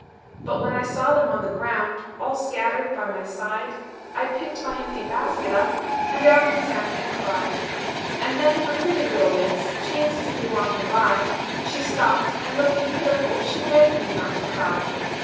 "But when I saw them on the ground. All scattered by my side, I picked my empty basket up, And down I sat and cried. "Just then a pretty little Miss Chanced to be walking by; She stopped, and looking pitiful, She begged me not to cry.